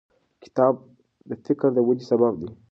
کتاب د فکر د ودې سبب دی.